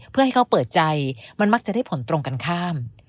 เพื่อให้เขาเปิดใจมันมักจะได้ผลตรงกันข้าม